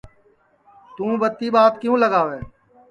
توں ٻتی ٻات کیوں لگاوے